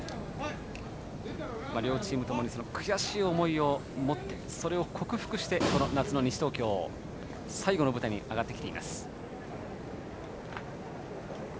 両チームともに悔しい思いを持ってそれを克服して夏の西東京最後の舞台に上がってきています。